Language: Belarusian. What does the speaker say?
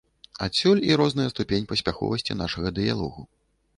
Адсюль і розная ступень паспяховасці нашага дыялогу.